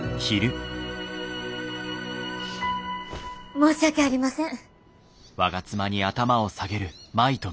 申し訳ありません。